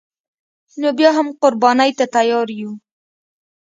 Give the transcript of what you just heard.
نو بیا هم قربانی ته تیار یو